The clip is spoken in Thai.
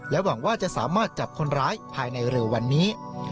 หวังว่าจะสามารถจับคนร้ายภายในเร็ววันนี้